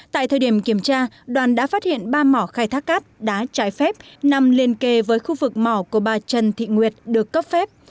tại thời điểm kiểm tra đoàn đã phát hiện ba mỏ khai thác cát đá trái phép nằm liên kề với khu vực mỏ của bà trần thị nguyệt được cấp phép